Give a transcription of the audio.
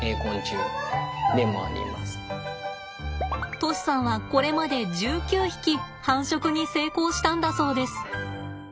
杜師さんはこれまで１９匹繁殖に成功したんだそうです。